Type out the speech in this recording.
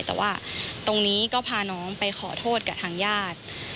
แต่ว่าตรงนี้ก็พาน้องไปขอโทษกับทางญาติ